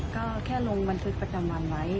ก็แค่ลงบันทึกประจำวันไว้